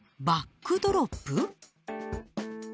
バックドロップ？